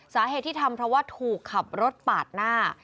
สาเหตุที่ทำเพราะว่าถูกขับรถปาดหน้า